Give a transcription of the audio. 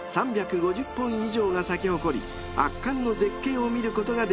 ［３５０本以上が咲き誇り圧巻の絶景を見ることができます］